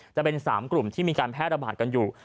จะเป็น๓กลุ่มที่มีการแพร่ระบาดกันอยู่